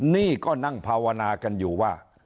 นี่ก็นั่งภาวนากันอยู่ว่า